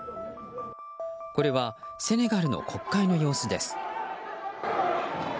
これはセネガルの国会の様子です。